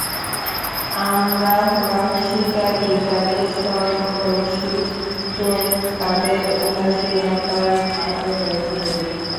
আমরা হলাম শিকারী, যাদের সর্বদর্শী চোখ তাদের উদাসীনতার সাথে দেখে!